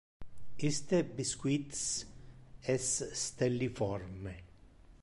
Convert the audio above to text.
Iste biscuits es stelliforme.